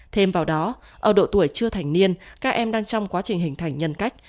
thêm vào đó ở độ tuổi chưa thành niên các em đang trong quá trình hình thành nhân cách